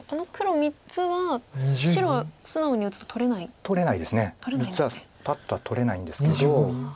３つはパッとは取れないんですけど。